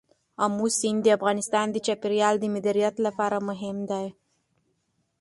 آمو سیند د افغانستان د چاپیریال د مدیریت لپاره مهم دی.